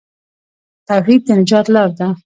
توحید د نجات لار ده.